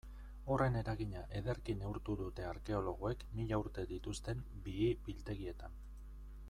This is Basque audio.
Horren eragina ederki neurtu dute arkeologoek mila urte dituzten bihi-biltegietan.